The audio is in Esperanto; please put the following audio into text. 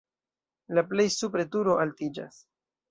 La plej supre turo altiĝas.